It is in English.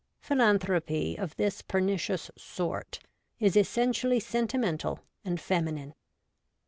Philanthropy of this pernicious sort is essentially sentimental and feminine.